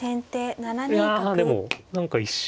いやでも何か一瞬